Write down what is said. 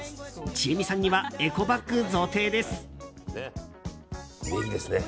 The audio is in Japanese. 千恵美さんにはエコバッグ贈呈です。